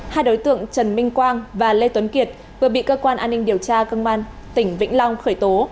hai đối tượng trần minh quang và lê tuấn kiệt vừa bị cơ quan an ninh điều tra công an tỉnh vĩnh long khởi tố